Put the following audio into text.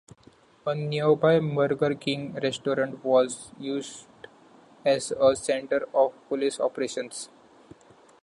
A nearby Burger King restaurant was used as a center for police operations.